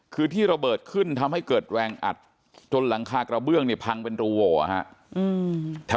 คือที่ระเบิดขึ้นทำให้เกิดแรงอัดจนหลังคากระเบื้องเนี่ยพังเป็นรูโหวฮะ